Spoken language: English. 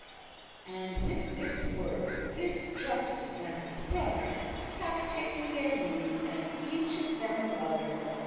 And with this word this Justin' and his brother Have ta'en their leave, and each of them of other.